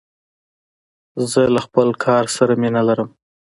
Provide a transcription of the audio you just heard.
زه له خپل کار سره مینه لرم.